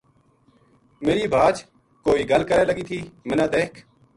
میری بھاج کوئی گل کرے لگی تھی مَنا دیکھ